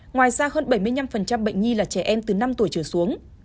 ngoài ra hơn bảy mươi năm bệnh nhi là trẻ em từ năm tuổi trở xuống